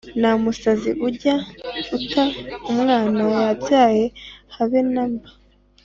nta musazi ujya uta umwna yabyaye habe namba